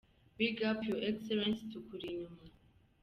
big up your excellence tukuri inyuma.